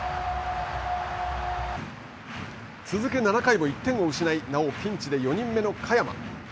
続く７回も１点を失いなおピンチで４人目の嘉弥真。